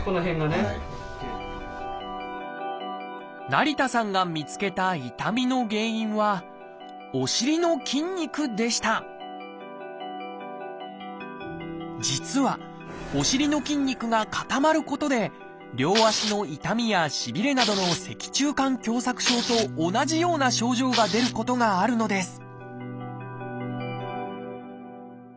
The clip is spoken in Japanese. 成田さんが見つけた痛みの原因はお尻の筋肉でした実はお尻の筋肉が固まることで両足の痛みやしびれなどの脊柱管狭窄症と同じような症状が出ることがあるのです